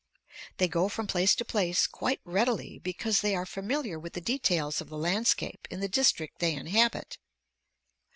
They go from place to place quite readily because they are familiar with the details of the landscape in the district they inhabit.